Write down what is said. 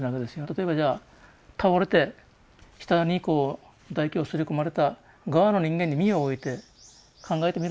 例えばじゃあ倒れて舌にこう唾液をすり込まれた側の人間に身を置いて考えてみるわけですよね。